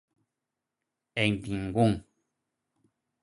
_En ningún.